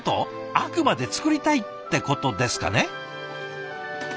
あくまで作りたいってことですかね？